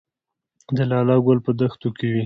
د لاله ګل په دښتو کې وي